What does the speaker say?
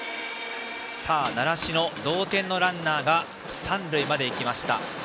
習志野、同点のランナーが三塁まで行きました。